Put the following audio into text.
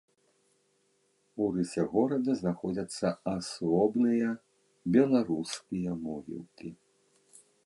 У рысе горада знаходзяцца асобныя беларускія могілкі.